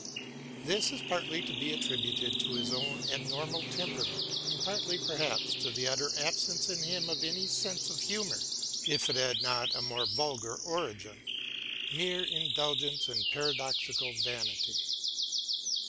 This is partly to be attributed to his own abnormal temperament and partly perhaps to the utter absence in him of any sense of humour, if it had not a more vulgar origin, mere indulgence in paradoxical vanity.